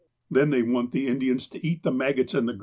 * Then they want the Indians to eat the maggots and the grease.